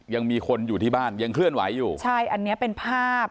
ยังมีคนอยู่ที่บ้านยังเคลื่อนไหวอยู่ใช่อันนี้เป็นภาพ